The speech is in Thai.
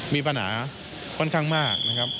มีปัญหาค่อนข้างมากนะครับ